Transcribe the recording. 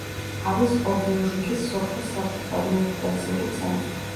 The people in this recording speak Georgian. არის ობლოჟკის სოფლის საბჭოს ადმინისტრაციული ცენტრი.